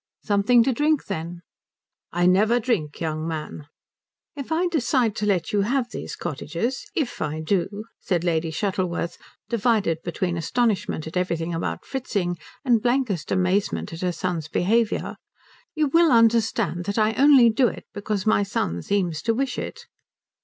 "Something to drink, then?" "I never drink, young man." "If I decide to let you have these cottages if I do," said Lady Shuttleworth, divided between astonishment at everything about Fritzing and blankest amazement at her son's behaviour, "you will understand that I only do it because my son seems to wish it."